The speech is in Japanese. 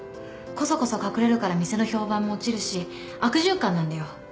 こそこそ隠れるから店の評判も落ちるし悪循環なんだよ。